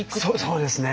そうですね。